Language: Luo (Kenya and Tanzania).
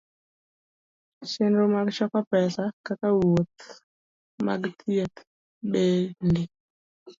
Chenro mag choko pesa kaka wuoth mag thieth bende